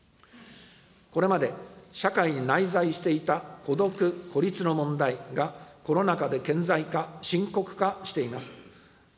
これまで社会に内在していた孤独・孤立の問題がコロナ禍で顕在化・深刻化しています。